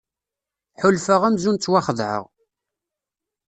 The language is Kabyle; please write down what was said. Ḥulfaɣ amzun ttwaxedɛeɣ.